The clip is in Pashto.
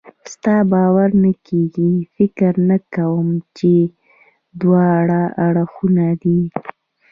ستا باور نه کېږي؟ فکر نه کوم چې دواړه اړخونه دې.